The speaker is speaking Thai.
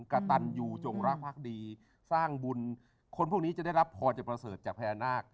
กระตันยูจงรักภักดีสร้างบุญคนพวกนี้จะได้รับพรจะประเสริฐจากพญานาค